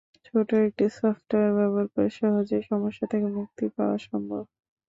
ছোট একটি সফটওয়্যার ব্যবহার করে সহজেই সমস্যা থেকে মুক্তি পাওয়া সম্ভব।